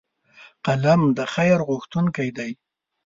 قلم د خیر غوښتونکی دی